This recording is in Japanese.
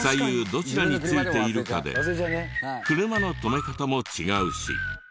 どちらに付いているかで車の止め方も違うし。